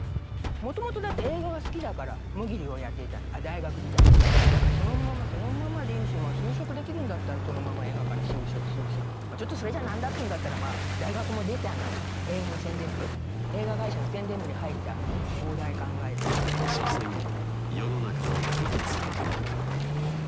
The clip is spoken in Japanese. もともとだって映画が好きだからもぎりをやっていたんで大学時代にねそのままそのままでいいしまぁ就職できるんだったらそのまま映画館に就職するしちょっとそれじゃ何だっつうんだったらまぁ大学も出たので映画の宣伝部映画会社の宣伝部に入って邦題考えたり所詮世の中は虚実皮膜